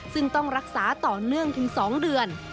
ซึ่งต้องรักษาต่อเนื่องถึง๒เดือน